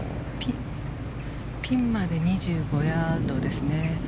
ピンまで２５ヤードですね。